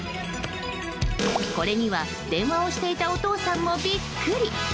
これには、電話をしていたお父さんもビックリ。